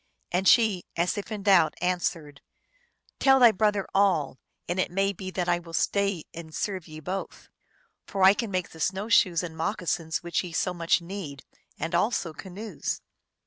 And she, as if in doubt, answered, " Tell thy brother all, and it may be that I will stay and serve ye both. For I can make the snow shoes and moccasins which ye so much need, and also canoes."